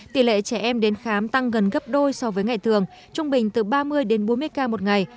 tỷ lệ trẻ em đến khám tăng gần gấp đôi so với ngày thường trung bình từ ba mươi đến bốn mươi ca một ngày